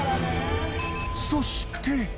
そして。